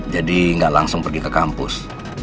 jadi gak langsung pergi ke kampus